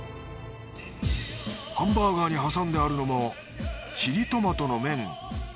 ハンバーガーに挟んであるのもチリトマトの麺。